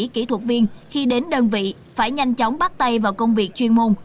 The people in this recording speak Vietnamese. kỹ thuật viên khi đến đơn vị phải nhanh chóng bắt tay vào công việc chuyên môn